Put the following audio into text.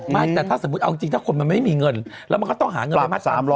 ไม่ถ้าสมมติเอาจริงถ้าคนมันไม่มีเงินมันก็ต้องหาเงินใหม่